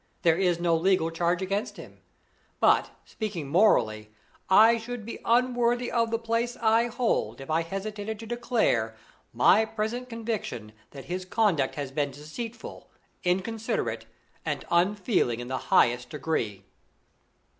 There is no legal charge against him; but, speaking morally, I should be unworthy of the place I hold if I hesitated to declare my present conviction that his conduct has been deceitful, inconsiderate, and unfeeling in the highest degree."